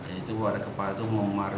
itu ada kepala itu memaruhi